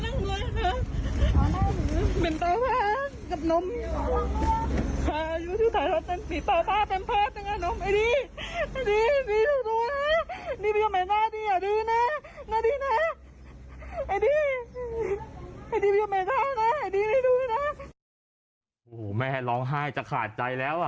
โอ้โฮแม่ร้องไห้จากขาดใจนะ